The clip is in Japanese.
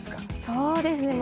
そうですね。